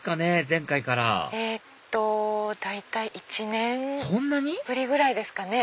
前回から大体１年ぶりぐらいですかね。